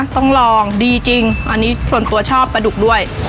ต้องลองดีจริงอันนี้ส่วนตัวชอบปลาดุกด้วย